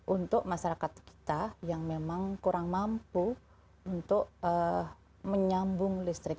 untuk masyarakat kita yang memang kurang mampu untuk menyambung listrik